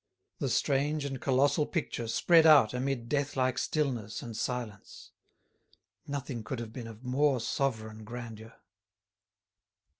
The strange and colossal picture spread out amid deathlike stillness and silence. Nothing could have been of more sovereign grandeur.